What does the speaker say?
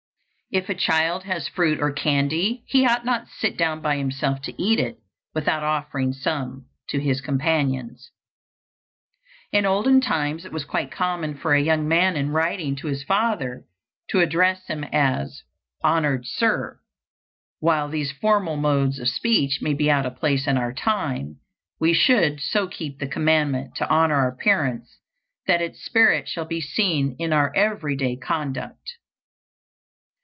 If a child has fruit or candy, he ought not to sit down by himself to eat it, without offering some to his companions. In olden times it was quite common for a young man in writing to his father to address him as "Honored Sir." While these formal modes of speech may be out of place in our time, we should so keep the commandment to honor our parents that its spirit shall be seen in our every day conduct.